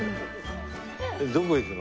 どこ行くの？